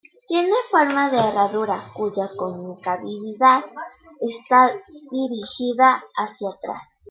Tiene forma de herradura cuya concavidad está dirigida hacia atrás.